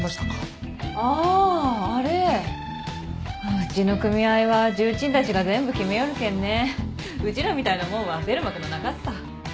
うちの組合は重鎮たちが全部決めよるけんねうちらみたいなもんは出る幕のなかっさ。